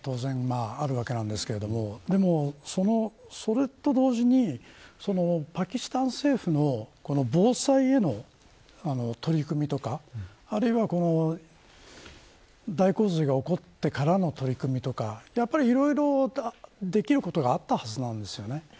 気候危機のコンテクストが当然あると思うんですけどでも、それと同時にパキスタン政府の防災への取り組みとかあるいは大洪水が起こってからの取り組みとかいろいろと、できることがあったはずなんです。